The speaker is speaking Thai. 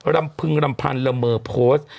ำพึงรำพันธ์ละเมอโพสต์